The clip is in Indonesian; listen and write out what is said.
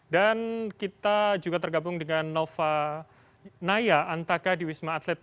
dan kita juga tergabung dengan nova naya antaka di wisma atlet